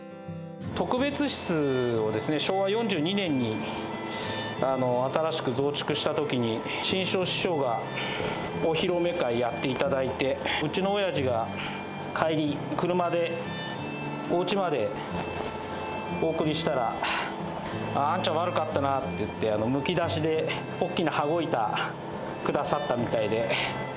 特別室を昭和４２年に新しく増築したときに、志ん生師匠がお披露目会やっていただいて、うちのおやじが帰り、車でおうちまでお送りしたら、あんちゃん悪かったなって言って、むき出しで大きな羽子板くださったみたいで。